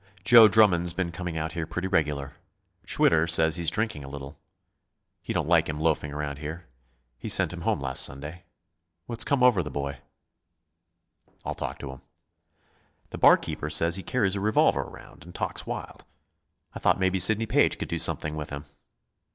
"Joe Drummond's been coming out here pretty regular. Schwitter says he's drinking a little. He don't like him loafing around here: he sent him home last Sunday. What's come over the boy?" "I'll talk to him." "The barkeeper says he carries a revolver around, and talks wild. I thought maybe Sidney Page could do something with him."